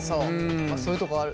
そういうとこある。